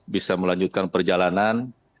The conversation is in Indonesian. bisa melanjutkan perjalanan